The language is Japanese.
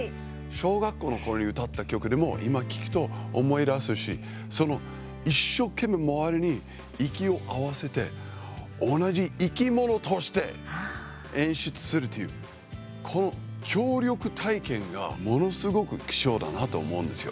小学校のころに歌った曲でも今、聴くと思い出すしその、一生懸命、周りに息を合わせて同じ生き物として演出するというこの協力体験が、ものすごく貴重だなと思うんですよ。